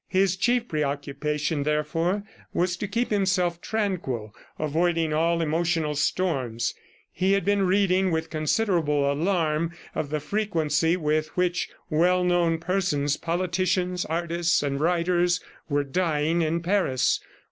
His chief preoccupation, therefore, was to keep himself tranquil, avoiding all emotional storms. He had been reading with considerable alarm of the frequency with which well known persons, politicians, artists and writers, were dying in Paris.